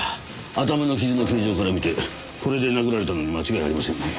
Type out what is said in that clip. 頭の傷の形状から見てこれで殴られたのに間違いありませんね。